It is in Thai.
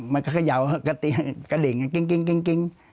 มันก็เขย่ากระดิ่งกริ๊ง